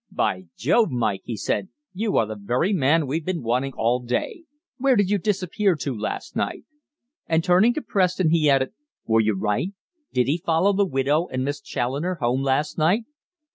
"By Jove, Mike," he said, "you are the very man we've been wanting all day. Where did you disappear to last night?" And turning to Preston he added, "Were you right? Did he follow the widow and Miss Challoner home last night?"